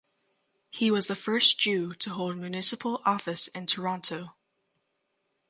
He was the first Jew to hold municipal office in Toronto.